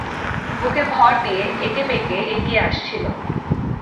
বুকে ভর দিয়ে একেবেঁকে এগিয়ে আসছিল।